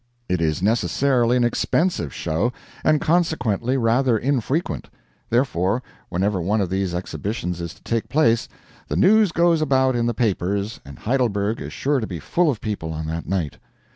It is necessarily an expensive show, and consequently rather infrequent. Therefore whenever one of these exhibitions is to take place, the news goes about in the papers and Heidelberg is sure to be full of people on that night.